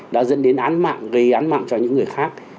đã dẫn đến án mạng gây án mạng cho những người khác